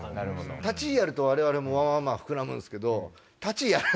「立ち」やると我々も膨らむんですけど。